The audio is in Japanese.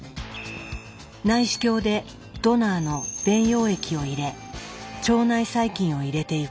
内視鏡でドナーの便溶液を入れ腸内細菌を入れていく。